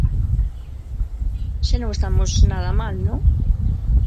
Xa non estamos nada mal, ¿non?